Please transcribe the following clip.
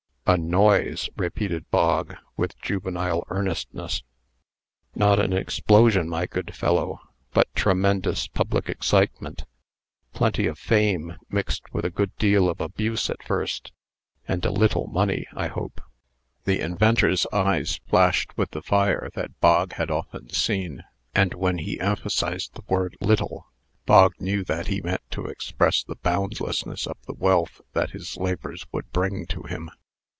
"A noise!" repeated Bog, with juvenile earnestness. "Not an explosion, my good fellow, but tremendous public excitement plenty of fame, mixed with a good deal of abuse at first, and a little money, I hope." The inventor's eyes flashed with the fire that Bog had often seen; and when he emphasized the word "little," Bog knew that he meant to express the boundlessness of the wealth that his labors would bring to him.